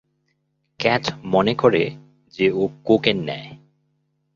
Cath মনে করে যে, ও কোকেন নেয়।